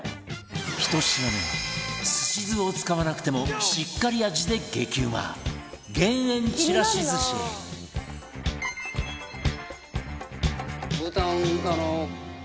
１品目はすし酢を使わなくてもしっかり味で激うま減塩ちらし寿司ブーたんあの。